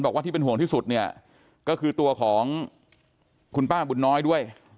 ที่เป็นห่วงที่สุดเนี่ยก็คือตัวของคุณป้าบุญน้อยด้วย